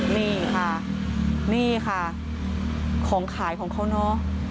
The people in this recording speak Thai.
นี่ค่ะของขายของเขาเนอะ